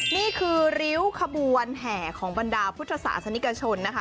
นี่คือริ้วขบวนแห่ของบรรดาพุทธศาสนิกชนนะคะ